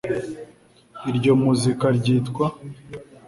Iryo murika ryitwa